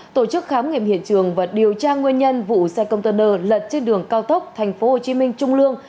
tổ chức khám nghiệm hiện trường và điều tra nguyên nhân vụ xe container lật trên đường cao tốc tp hcm trung lương